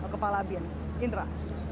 kepala bin indra